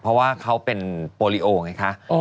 เพราะว่าเขาเป็นโปรลิโอไงคะ